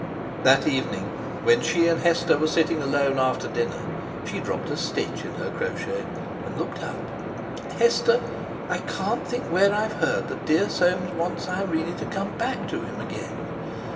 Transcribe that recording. That evening, when she and Hester were sitting alone after dinner, she dropped a stitch in her crochet, and looked up: "Hester, I can't think where I've heard that dear Soames wants Irene to come back to him again.